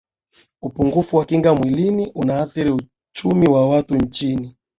upungufu wa kinga mwilini unathiri uchumi wa watu nchini